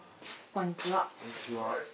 こんにちは。